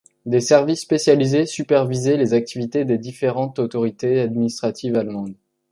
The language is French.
Des services spécialisés supervisaient les activités des différentes autorités administratives allemandes.